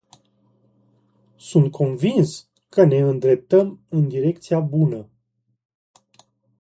Sunt convins că ne îndreptăm în direcția bună.